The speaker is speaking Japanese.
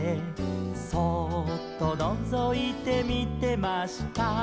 「そうっとのぞいてみてました」